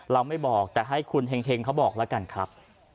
เราไม่บอกแต่ให้คุณเฮงเขาบอกแล้วกันครับ